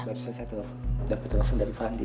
barusan saya telpon dapat telpon dari faham dit